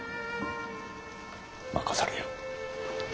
任されよ。